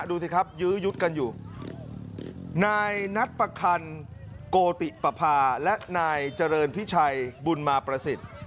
ดูสิครับยื้อยุดกันอยู่นายนัดประคันโกติปภาและนายเจริญพิชัยบุญมาประสิทธิ์